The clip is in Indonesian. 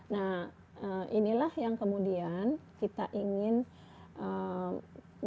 nah inilah yang kemudian kita ingin melakukan